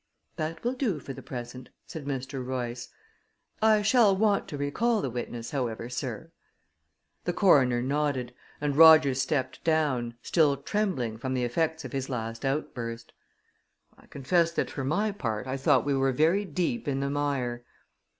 "That will do for the present," said Mr. Royce. "I shall want to recall the witness, however, sir." The coroner nodded, and Rogers stepped down, still trembling from the effects of his last outburst. I confess that, for my part, I thought we were very deep in the mire.